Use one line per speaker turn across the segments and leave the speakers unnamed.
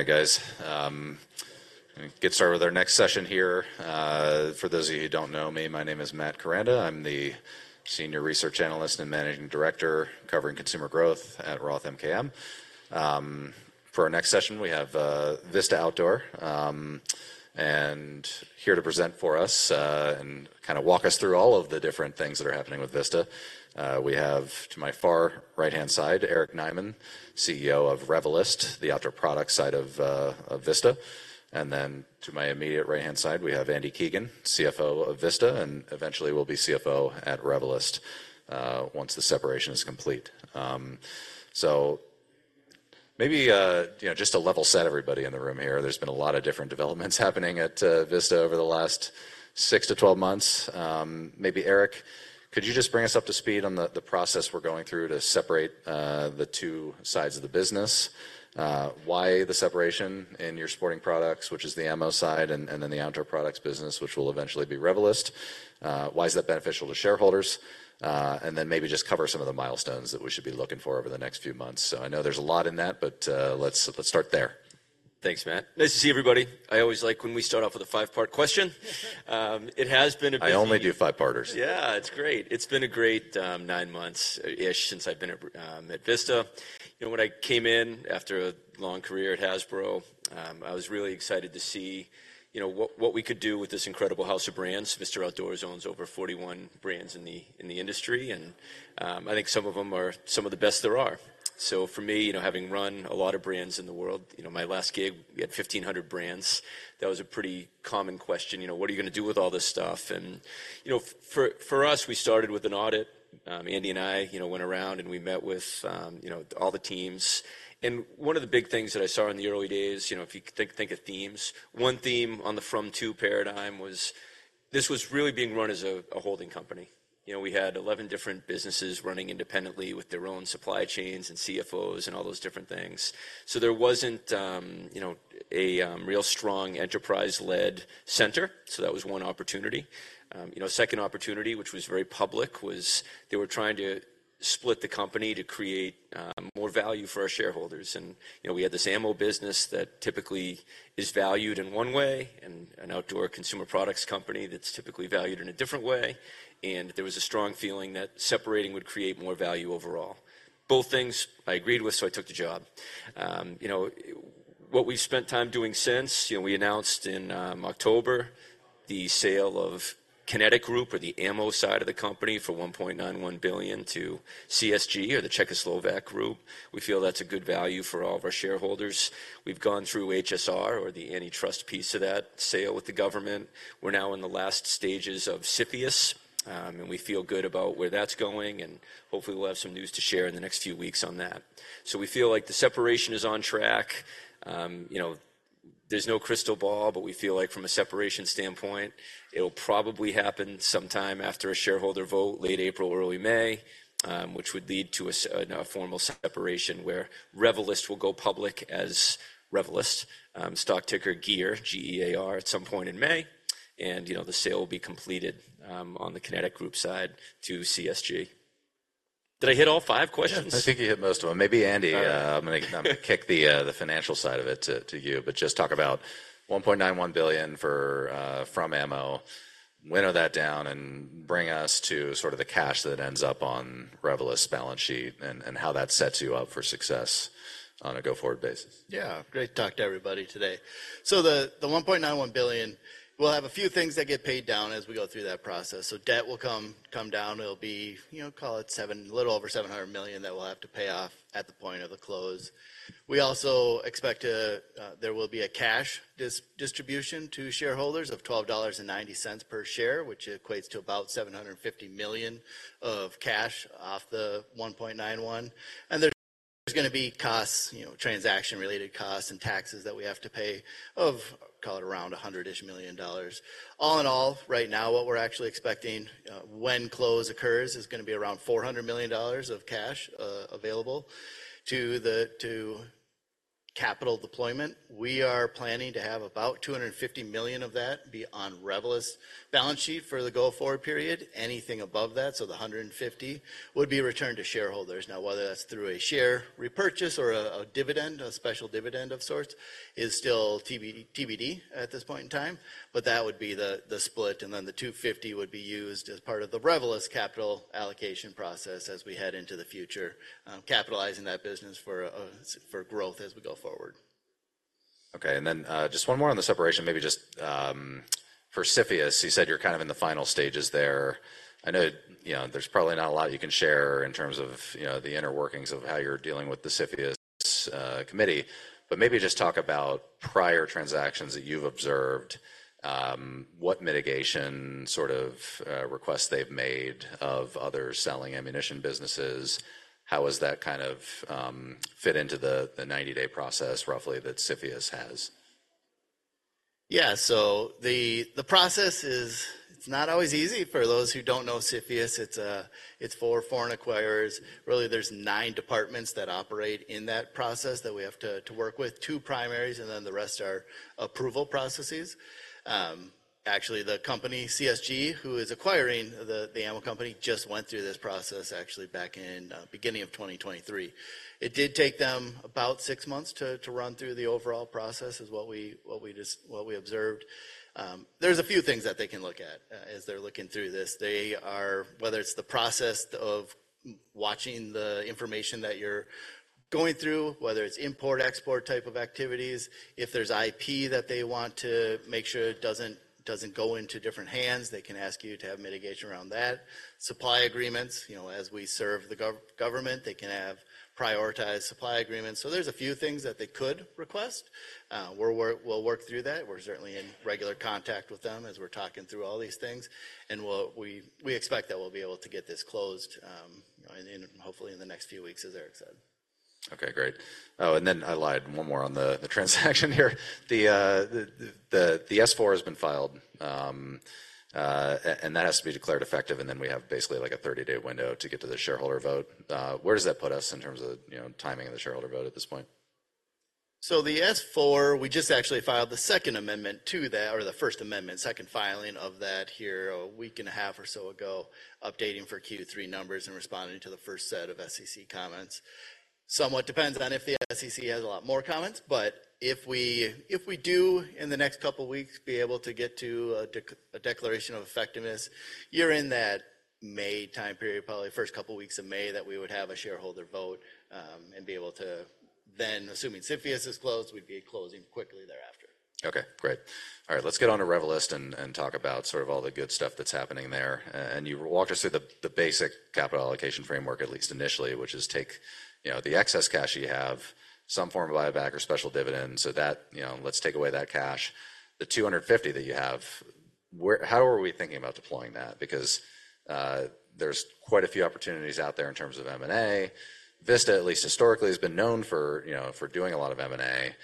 All right, guys. I'm going to get started with our next session here. For those of you who don't know me, my name is Matt Koranda. I'm the Senior Research Analyst and Managing Director covering consumer growth at Roth MKM. For our next session, we have Vista Outdoor, and here to present for us, and kind of walk us through all of the different things that are happening with Vista. We have to my far right-hand side, Eric Nyman, CEO of Revelyst, the outdoor product side of Vista. And then to my immediate right-hand side, we have Andy Keegan, CFO of Vista, and eventually will be CFO at Revelyst, once the separation is complete. So maybe, you know, just to level set everybody in the room here, there's been a lot of different developments happening at Vista over the last 6-12 months. Maybe Eric, could you just bring us up to speed on the process we're going through to separate the two sides of the business? Why the separation in your sporting products, which is the ammo side, and then the outdoor products business, which will eventually be Revelyst? Why is that beneficial to shareholders? And then maybe just cover some of the milestones that we should be looking for over the next few months. So I know there's a lot in that, but let's start there.
Thanks, Matt. Nice to see everybody. I always like when we start off with a five-part question. It has been a bit of a.
I only do five-parters.
Yeah, it's great. It's been a great 9 months-ish since I've been at Vista. You know, when I came in after a long career at Hasbro, I was really excited to see, you know, what we could do with this incredible house of brands. Mr. Outdoor owns over 41 brands in the industry, and I think some of them are some of the best there are. So for me, you know, having run a lot of brands in the world, you know, my last gig, we had 1,500 brands. That was a pretty common question, you know, "What are you going to do with all this stuff?" And, you know, for us, we started with an audit. Andy and I, you know, went around and we met with, you know, all the teams. And one of the big things that I saw in the early days, you know, if you think of themes, one theme on the from two paradigm was this was really being run as a holding company. You know, we had 11 different businesses running independently with their own supply chains and CFOs and all those different things. So there wasn't, you know, a real strong enterprise-led center. So that was one opportunity. You know, second opportunity, which was very public, was they were trying to split the company to create more value for our shareholders. And, you know, we had this ammo business that typically is valued in one way and an outdoor consumer products company that's typically valued in a different way. And there was a strong feeling that separating would create more value overall. Both things I agreed with, so I took the job. You know, what we've spent time doing since, you know, we announced in October the sale of Kinetic Group, or the ammo side of the company, for $1.91 billion to CSG, or the Czechoslovak Group. We feel that's a good value for all of our shareholders. We've gone through HSR, or the antitrust piece of that sale with the government. We're now in the last stages of CFIUS. And we feel good about where that's going, and hopefully we'll have some news to share in the next few weeks on that. So we feel like the separation is on track. You know, there's no crystal ball, but we feel like from a separation standpoint, it'll probably happen sometime after a shareholder vote, late April, early May, which would lead to a formal separation where Revelyst will go public as Revelyst, stock ticker GEAR, G-E-A-R, at some point in May. You know, the sale will be completed on the Kinetic Group side to CSG. Did I hit all five questions?
Yeah, I think you hit most of them. Maybe Andy, I'm going to I'm going to kick the, the financial side of it to, to you, but just talk about $1.91 billion from M&A, wind that down, and bring us to sort of the cash that ends up on Revelyst's balance sheet and, and how that sets you up for success on a go-forward basis.
Yeah, great to talk to everybody today. So the $1.91 billion, we'll have a few things that get paid down as we go through that process. So debt will come down. It'll be, you know, call it a little over $700 million that we'll have to pay off at the point of the close. We also expect there will be a cash distribution to shareholders of $12.90 per share, which equates to about $750 million of cash off the $1.91 billion. And there's going to be costs, you know, transaction-related costs and taxes that we have to pay of, call it, around $100-ish million. All in all, right now, what we're actually expecting, when close occurs is going to be around $400 million of cash, available to capital deployment. We are planning to have about $250 million of that be on Revelyst's balance sheet for the go-forward period. Anything above that, so the $150 million, would be returned to shareholders. Now, whether that's through a share repurchase or a, a dividend, a special dividend of sorts, is still TBD, TBD at this point in time. But that would be the, the split, and then the $250 million would be used as part of the Revelyst capital allocation process as we head into the future, capitalizing that business for, for growth as we go forward.
Okay. And then, just one more on the separation, maybe just, for CFIUS. You said you're kind of in the final stages there. I know, you know, there's probably not a lot you can share in terms of, you know, the inner workings of how you're dealing with the CFIUS committee. But maybe just talk about prior transactions that you've observed, what mitigation sort of, requests they've made of others selling ammunition businesses. How has that kind of, fit into the, the 90-day process, roughly, that CFIUS has?
Yeah, so the process is; it's not always easy. For those who don't know CFIUS, it's for foreign acquirers. Really, there's nine departments that operate in that process that we have to work with, two primaries, and then the rest are approval processes. Actually, the company, CSG, who is acquiring the ammo company, just went through this process, actually, back in, beginning of 2023. It did take them about six months to run through the overall process, what we just observed. There's a few things that they can look at, as they're looking through this. They are whether it's the process of watching the information that you're going through, whether it's import-export type of activities, if there's IP that they want to make sure it doesn't go into different hands, they can ask you to have mitigation around that. Supply agreements, you know, as we serve the government, they can have prioritized supply agreements. So there's a few things that they could request. We'll work through that. We're certainly in regular contact with them as we're talking through all these things. And we expect that we'll be able to get this closed, you know, hopefully in the next few weeks, as Eric said.
Okay, great. Oh, and then I'll add one more on the transaction here. The S-4 has been filed, and that has to be declared effective, and then we have basically like a 30-day window to get to the shareholder vote. Where does that put us in terms of, you know, timing of the shareholder vote at this point?
So the S-4, we just actually filed the second amendment to that or the first amendment, second filing of that here a week and a half or so ago, updating for Q3 numbers and responding to the first set of SEC comments. Somewhat depends on if the SEC has a lot more comments, but if we do in the next couple of weeks be able to get to a declaration of effectiveness, you're in that May time period, probably first couple of weeks of May, that we would have a shareholder vote, and be able to then assuming CFIUS is closed, we'd be closing quickly thereafter.
Okay, great. All right, let's get on to Revelyst and talk about sort of all the good stuff that's happening there. You walked us through the basic capital allocation framework, at least initially, which is take, you know, the excess cash you have, some form of buyback or special dividend, so that, you know, let's take away that cash. The $250 that you have, where, how are we thinking about deploying that? Because there's quite a few opportunities out there in terms of M&A. Vista, at least historically, has been known for, you know, for doing a lot of M&A.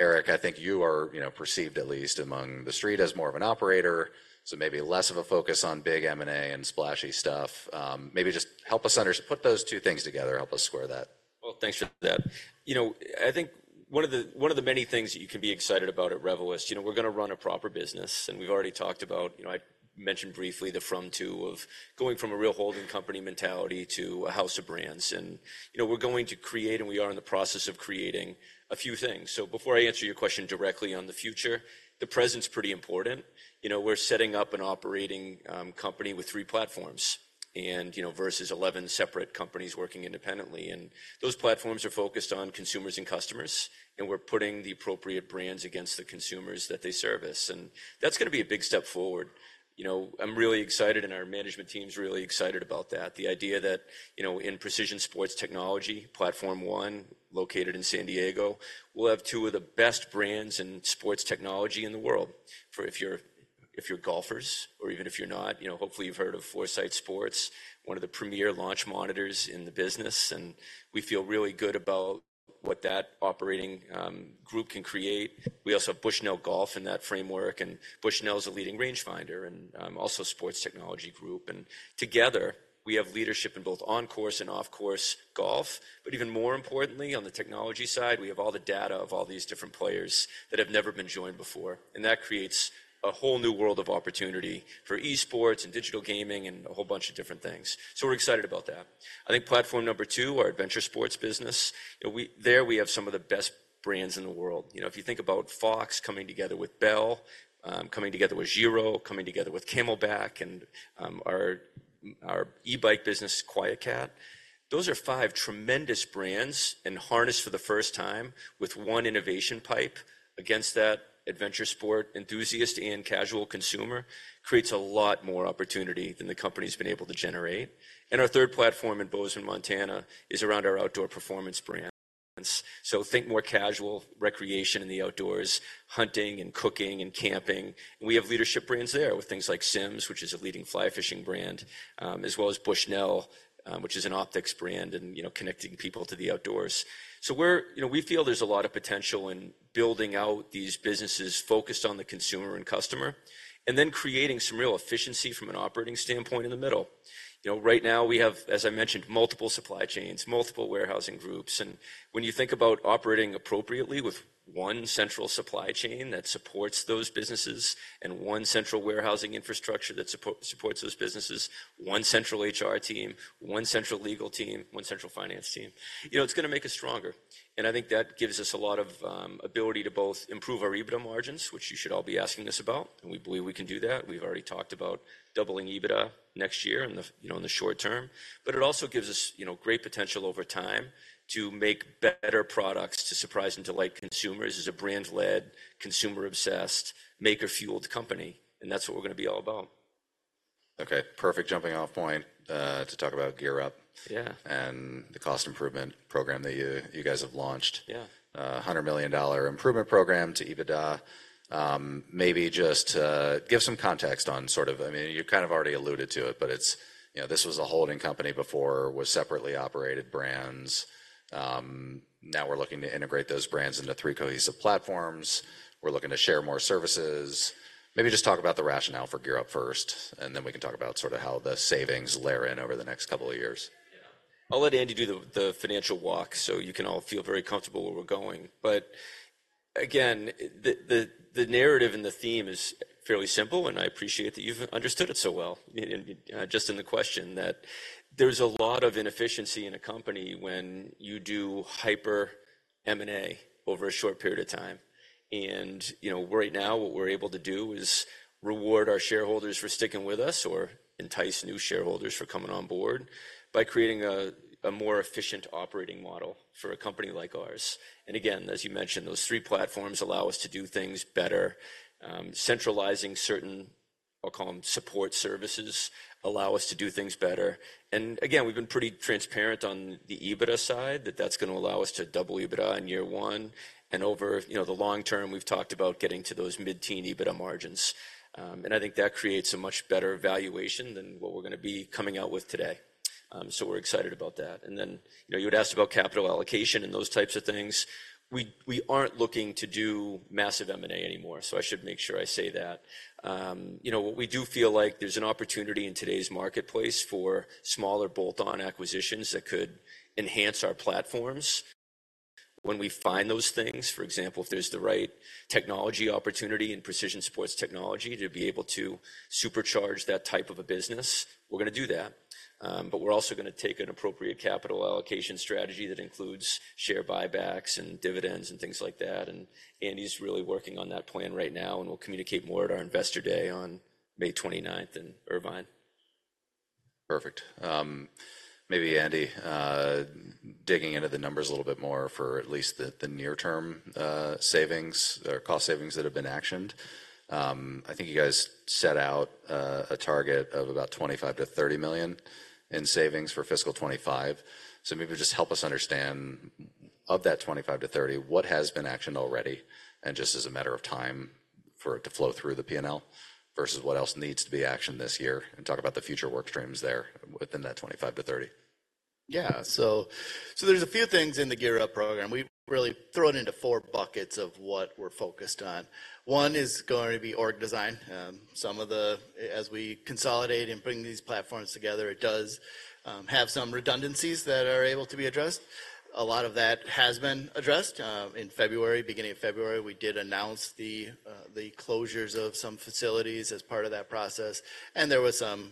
Eric, I think you are, you know, perceived at least among the street as more of an operator, so maybe less of a focus on big M&A and splashy stuff. Maybe just help us put those two things together, help us square that.
Well, thanks for that. You know, I think one of the one of the many things that you can be excited about at Revelyst, you know, we're going to run a proper business, and we've already talked about, you know, I mentioned briefly the transition of going from a real holding company mentality to a house of brands. And, you know, we're going to create, and we are in the process of creating a few things. So before I answer your question directly on the future, the present's pretty important. You know, we're setting up an operating company with three platforms and, you know, versus 11 separate companies working independently. And those platforms are focused on consumers and customers, and we're putting the appropriate brands against the consumers that they service. And that's going to be a big step forward. You know, I'm really excited, and our management team's really excited about that, the idea that, you know, in precision sports technology, platform one, located in San Diego, we'll have two of the best brands in sports technology in the world for if you're golfers or even if you're not. You know, hopefully you've heard of Foresight Sports, one of the premier launch monitors in the business, and we feel really good about what that operating group can create. We also have Bushnell Golf in that framework, and Bushnell's a leading rangefinder and also sports technology group. And together, we have leadership in both on-course and off-course golf. But even more importantly, on the technology side, we have all the data of all these different players that have never been joined before. And that creates a whole new world of opportunity for esports and digital gaming and a whole bunch of different things. So we're excited about that. I think platform number two, our adventure sports business, you know, we have some of the best brands in the world. You know, if you think about Fox coming together with Bell, coming together with Giro, coming together with CamelBak, and our e-bike business, QuietKat, those are five tremendous brands and harnessed for the first time with one innovation pipe against that adventure sport enthusiast and casual consumer, creates a lot more opportunity than the company's been able to generate. And our third platform in Bozeman, Montana, is around our outdoor performance brands. So think more casual recreation in the outdoors, hunting and cooking and camping. And we have leadership brands there with things like Simms, which is a leading fly fishing brand, as well as Bushnell, which is an optics brand and, you know, connecting people to the outdoors. So we're, you know, we feel there's a lot of potential in building out these businesses focused on the consumer and customer and then creating some real efficiency from an operating standpoint in the middle. You know, right now, we have, as I mentioned, multiple supply chains, multiple warehousing groups. And when you think about operating appropriately with one central supply chain that supports those businesses and one central warehousing infrastructure that supports those businesses, one central HR team, one central legal team, one central finance team, you know, it's going to make us stronger. I think that gives us a lot of ability to both improve our EBITDA margins, which you should all be asking us about, and we believe we can do that. We've already talked about doubling EBITDA next year in the, you know, in the short term. But it also gives us, you know, great potential over time to make better products to surprise and delight consumers as a brand-led, consumer-obsessed, maker-fueled company. And that's what we're going to be all about.
Okay, perfect jumping-off point to talk about GearUp.
Yeah.
The cost improvement program that you guys have launched.
Yeah.
$100 million improvement program to EBITDA. Maybe just give some context on sort of—I mean, you kind of already alluded to it, but it's, you know, this was a holding company before, was separately operated brands. Now we're looking to integrate those brands into three cohesive platforms. We're looking to share more services. Maybe just talk about the rationale for GearUp first, and then we can talk about sort of how the savings layer in over the next couple of years.
Yeah. I'll let Andy do the financial walk so you can all feel very comfortable where we're going. But again, the narrative and the theme is fairly simple, and I appreciate that you've understood it so well, just in the question, that there's a lot of inefficiency in a company when you do hyper-M&A over a short period of time. And, you know, right now, what we're able to do is reward our shareholders for sticking with us or entice new shareholders for coming on board by creating a more efficient operating model for a company like ours. And again, as you mentioned, those three platforms allow us to do things better. Centralizing certain, I'll call them, support services allow us to do things better. And again, we've been pretty transparent on the EBITDA side that that's going to allow us to double EBITDA in year one. And over, you know, the long term, we've talked about getting to those mid-teen EBITDA margins. And I think that creates a much better valuation than what we're going to be coming out with today. So we're excited about that. And then, you know, you had asked about capital allocation and those types of things. We aren't looking to do massive M&A anymore, so I should make sure I say that. You know, what we do feel like there's an opportunity in today's marketplace for smaller bolt-on acquisitions that could enhance our platforms. When we find those things, for example, if there's the right technology opportunity in precision sports technology to be able to supercharge that type of a business, we're going to do that. We're also going to take an appropriate capital allocation strategy that includes share buybacks and dividends and things like that. Andy's really working on that plan right now, and we'll communicate more at our investor day on May 29th in Irvine.
Perfect. Maybe, Andy, digging into the numbers a little bit more for at least the near-term savings, cost savings that have been actioned. I think you guys set out a target of about $25 million-$30 million in savings for fiscal 2025. So maybe just help us understand, of that 25-30, what has been actioned already and just as a matter of time for it to flow through the P&L versus what else needs to be actioned this year and talk about the future workstreams there within that 25-30.
Yeah, so there's a few things in the GearUp program. We really throw it into 4 buckets of what we're focused on. One is going to be org design. Some of the as we consolidate and bring these platforms together, it does have some redundancies that are able to be addressed. A lot of that has been addressed. In February, beginning of February, we did announce the closures of some facilities as part of that process, and there were some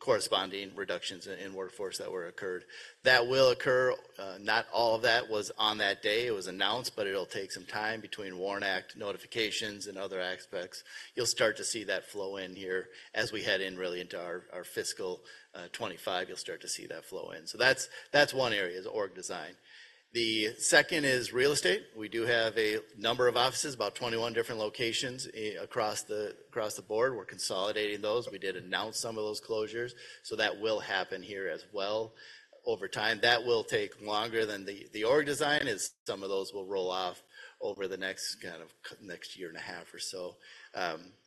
corresponding reductions in workforce that were occurred. That will occur. Not all of that was on that day. It was announced, but it'll take some time between WARN Act notifications and other aspects. You'll start to see that flow in here as we head in really into our fiscal 2025. You'll start to see that flow in. So that's one area is org design. The second is real estate. We do have a number of offices, about 21 different locations across the board. We're consolidating those. We did announce some of those closures, so that will happen here as well over time. That will take longer than the org design. Some of those will roll off over the next kind of year and a half or so.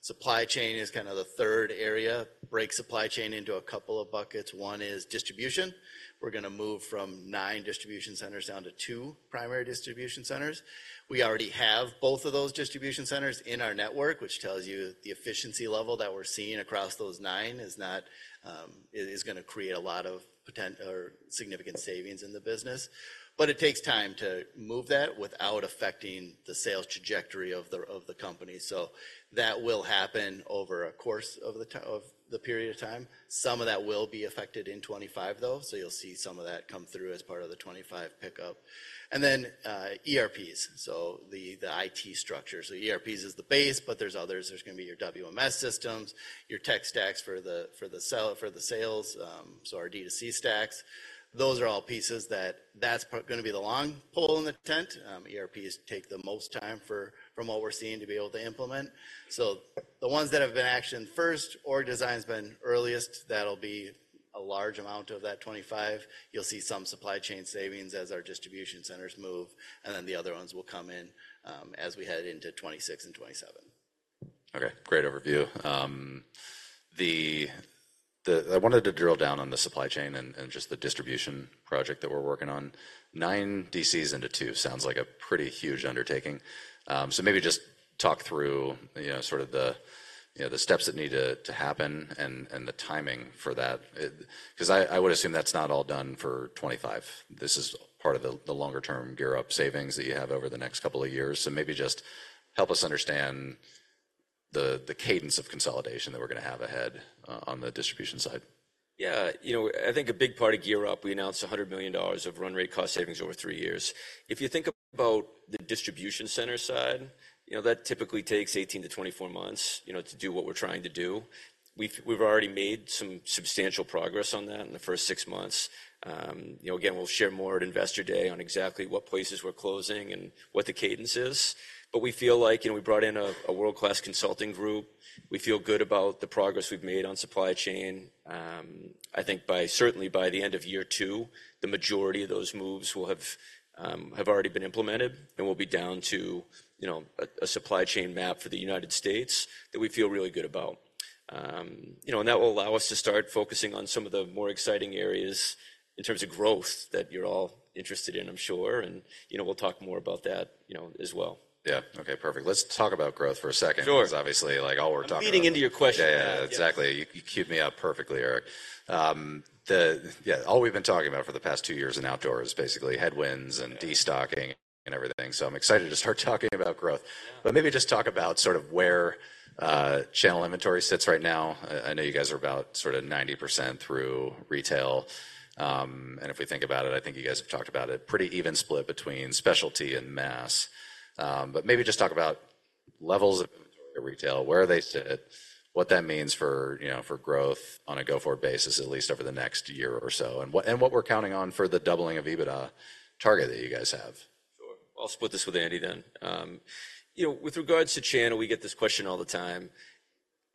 Supply chain is kind of the third area. Break supply chain into a couple of buckets. One is distribution. We're going to move from 9 distribution centers down to 2 primary distribution centers. We already have both of those distribution centers in our network, which tells you the efficiency level that we're seeing across those 9 is not, is going to create a lot of potential or significant savings in the business. But it takes time to move that without affecting the sales trajectory of the company. So that will happen over a course of the time of the period of time. Some of that will be affected in 2025, though, so you'll see some of that come through as part of the 2025 pickup. And then, ERPs, so the IT structure. So ERPs is the base, but there's others. There's going to be your WMS systems, your tech stacks for the sales, so our D2C stacks. Those are all pieces that's going to be the long pole in the tent. ERPs take the most time from what we're seeing to be able to implement. So the ones that have been actioned first, org design's been earliest, that'll be a large amount of that 2025. You'll see some supply chain savings as our distribution centers move, and then the other ones will come in, as we head into 2026 and 2027.
Okay, great overview. I wanted to drill down on the supply chain and just the distribution project that we're working on. 9 DCs into 2 sounds like a pretty huge undertaking. So maybe just talk through, you know, sort of the steps that need to happen and the timing for that. Because I would assume that's not all done for 2025. This is part of the longer-term GearUp savings that you have over the next couple of years. So maybe just help us understand the cadence of consolidation that we're going to have ahead, on the distribution side.
Yeah, you know, I think a big part of GearUp. We announced $100 million of run rate cost savings over 3 years. If you think about the distribution center side, you know, that typically takes 18-24 months, you know, to do what we're trying to do. We've already made some substantial progress on that in the first 6 months. You know, again, we'll share more at Investor Day on exactly what places we're closing and what the cadence is. But we feel like, you know, we brought in a world-class consulting group. We feel good about the progress we've made on supply chain. I think by certainly by the end of year 2, the majority of those moves will have already been implemented and will be down to, you know, a supply chain map for the United States that we feel really good about. You know, and that will allow us to start focusing on some of the more exciting areas in terms of growth that you're all interested in, I'm sure. You know, we'll talk more about that, you know, as well.
Yeah, okay, perfect. Let's talk about growth for a second.
Sure.
Because obviously, like, all we're talking about.
I'm feeding into your question.
Yeah, yeah, exactly. You, you cued me up perfectly, Eric. Yeah, all we've been talking about for the past two years in outdoor is basically headwinds and destocking and everything. So I'm excited to start talking about growth. But maybe just talk about sort of where channel inventory sits right now. I know you guys are about sort of 90% through retail. And if we think about it, I think you guys have talked about it pretty even split between specialty and mass. But maybe just talk about levels of inventory at retail, where they sit, what that means for, you know, for growth on a go-forward basis, at least over the next year or so, and what and what we're counting on for the doubling of EBITDA target that you guys have.
Sure. I'll split this with Andy then. You know, with regards to channel, we get this question all the time.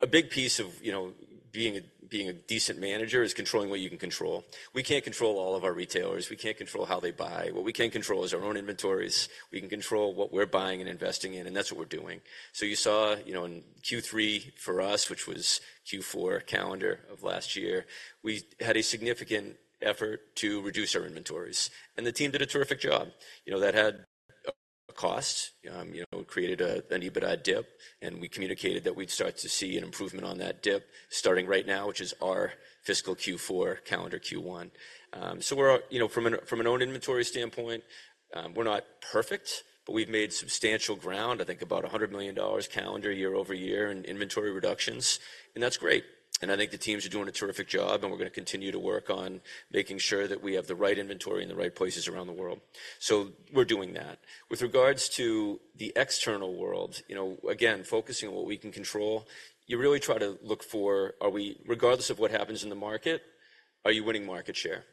A big piece of, you know, being a being a decent manager is controlling what you can control. We can't control all of our retailers. We can't control how they buy. What we can control is our own inventories. We can control what we're buying and investing in, and that's what we're doing. So you saw, you know, in Q3 for us, which was Q4 calendar of last year, we had a significant effort to reduce our inventories. And the team did a terrific job. You know, that had a cost. You know, it created a, an EBITDA dip. And we communicated that we'd start to see an improvement on that dip starting right now, which is our fiscal Q4 calendar Q1. So we're, you know, from an own inventory standpoint, we're not perfect, but we've made substantial ground. I think about $100 million calendar year-over-year in inventory reductions. And that's great. And I think the teams are doing a terrific job, and we're going to continue to work on making sure that we have the right inventory in the right places around the world. So we're doing that. With regards to the external world, you know, again, focusing on what we can control, you really try to look for, are we regardless of what happens in the market, are you winning market share?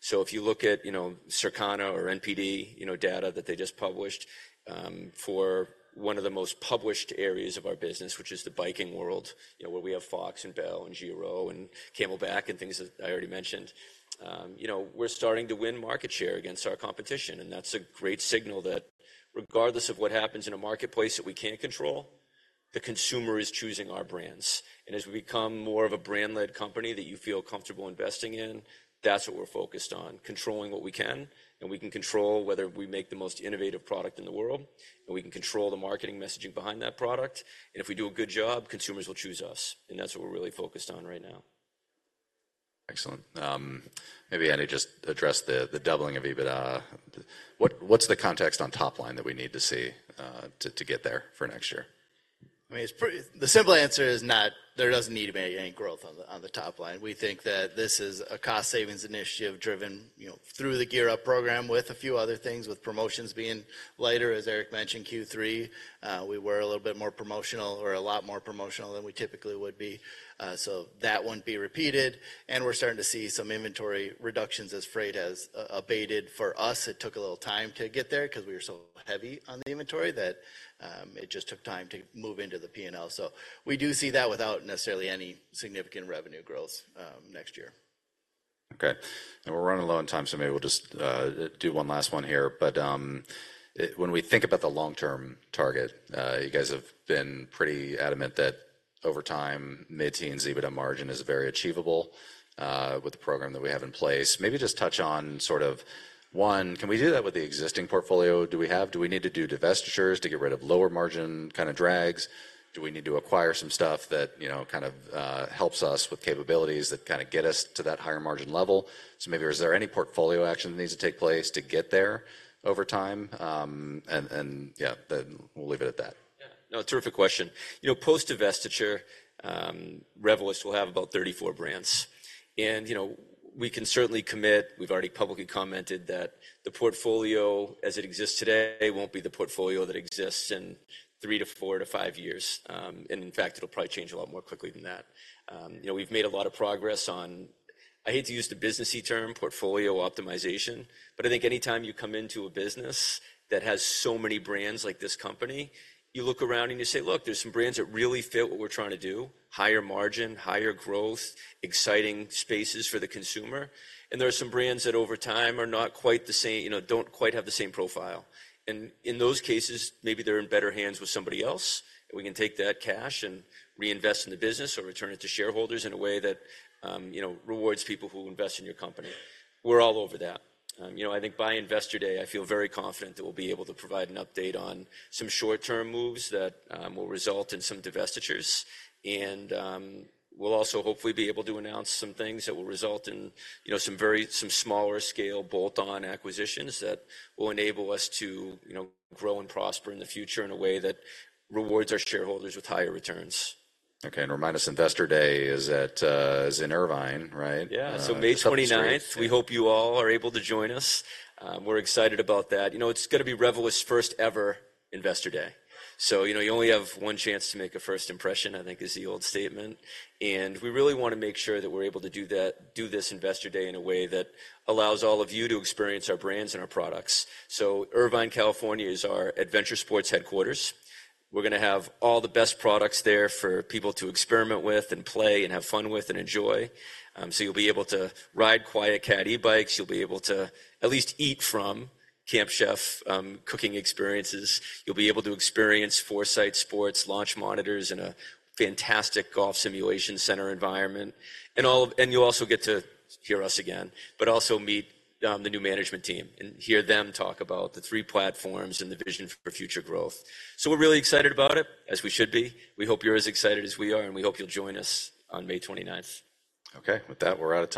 So if you look at, you know, Circana or NPD, you know, data that they just published, for one of the most published areas of our business, which is the biking world, you know, where we have Fox and Bell and Giro and CamelBak and things that I already mentioned, you know, we're starting to win market share against our competition. And that's a great signal that regardless of what happens in a marketplace that we can't control, the consumer is choosing our brands. And as we become more of a brand-led company that you feel comfortable investing in, that's what we're focused on, controlling what we can. And we can control whether we make the most innovative product in the world, and we can control the marketing messaging behind that product. And if we do a good job, consumers will choose us. That's what we're really focused on right now.
Excellent. Maybe Andy just address the doubling of EBITDA. What's the context on top line that we need to see to get there for next year?
I mean, it's pretty simple. The answer is no, there doesn't need to be any growth on the top line. We think that this is a cost savings initiative driven, you know, through the GearUp program with a few other things, with promotions being lighter, as Eric mentioned, in Q3. We were a little bit more promotional or a lot more promotional than we typically would be, so that won't be repeated. And we're starting to see some inventory reductions, as Priyadarshi noted for us. It took a little time to get there because we were so heavy on the inventory that it just took time to move into the P&L. So we do see that without necessarily any significant revenue growth next year.
Okay. And we're running low on time, so maybe we'll just do one last one here. But when we think about the long-term target, you guys have been pretty adamant that over time, mid-teens EBITDA margin is very achievable with the program that we have in place. Maybe just touch on sort of one, can we do that with the existing portfolio? Do we need to do divestitures to get rid of lower margin kind of drags? Do we need to acquire some stuff that, you know, kind of helps us with capabilities that kind of get us to that higher margin level? So maybe is there any portfolio action that needs to take place to get there over time? And yeah, then we'll leave it at that.
Yeah, no, terrific question. You know, post-divestiture, Revelyst will have about 34 brands. And, you know, we can certainly commit we've already publicly commented that the portfolio as it exists today won't be the portfolio that exists in 3 to 4 to 5 years. And in fact, it'll probably change a lot more quickly than that. You know, we've made a lot of progress on I hate to use the businessy term, portfolio optimization, but I think anytime you come into a business that has so many brands like this company, you look around and you say, "Look, there's some brands that really fit what we're trying to do, higher margin, higher growth, exciting spaces for the consumer." And there are some brands that over time are not quite the same you know, don't quite have the same profile. In those cases, maybe they're in better hands with somebody else. We can take that cash and reinvest in the business or return it to shareholders in a way that, you know, rewards people who invest in your company. We're all over that. You know, I think by Investor Day, I feel very confident that we'll be able to provide an update on some short-term moves that will result in some divestitures. We'll also hopefully be able to announce some things that will result in, you know, some smaller-scale bolt-on acquisitions that will enable us to, you know, grow and prosper in the future in a way that rewards our shareholders with higher returns.
Okay, and remind us investor day is at, is in Irvine, right?
Yeah, so May 29th. We hope you all are able to join us. We're excited about that. You know, it's going to be Revelyst's first-ever investor day. So, you know, you only have one chance to make a first impression, I think, is the old statement. And we really want to make sure that we're able to do that do this investor day in a way that allows all of you to experience our brands and our products. So Irvine, California, is our adventure sports headquarters. We're going to have all the best products there for people to experiment with and play and have fun with and enjoy. So you'll be able to ride QuietKat e-bikes. You'll be able to at least eat from Camp Chef cooking experiences. You'll be able to experience Foresight Sports launch monitors, and a fantastic golf simulation center environment. You'll also get to hear us again, but also meet the new management team and hear them talk about the three platforms and the vision for future growth. So we're really excited about it, as we should be. We hope you're as excited as we are, and we hope you'll join us on May 29th.
Okay, with that, we're out of time.